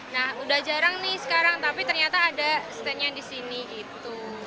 nah udah jarang nih sekarang tapi ternyata ada standnya di sini gitu